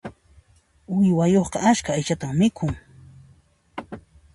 Uywayuqqa askha aychatan mikhun.